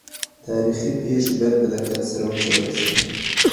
تاریخي پیښي باید په دقت سره وڅېړل سي.